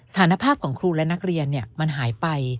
ฐานภาพของครูและนักเรียนมันหายไป